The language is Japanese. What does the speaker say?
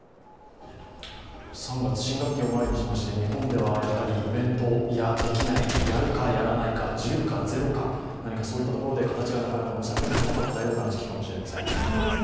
３月、新学期を前にしまして日本ではイベント、できない、やるか、やらないか１０か０か、そういったところで形がなかなか模索できなかったような時期かもしれません。